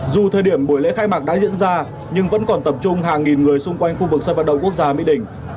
dù thời điểm buổi lễ khai mạc đã diễn ra nhưng vẫn còn tập trung hàng nghìn người xung quanh khu vực sân vận động quốc gia mỹ đình